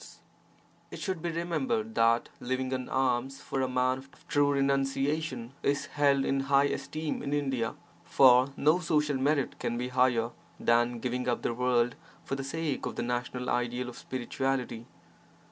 20 VAIRAGYA SATAKAM [It should be remembered that living on alms for a man of true renunciation is held in high esteem in India, for no social merit can be higher than giving up the world for the sake of the national ideal of spirituality.